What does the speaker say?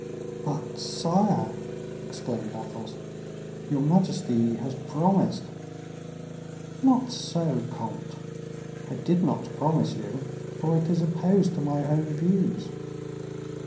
"But, sire," exclaimed Athos, "your majesty has promised!" "Not so, comte, I did not promise you, for it is opposed to my own views."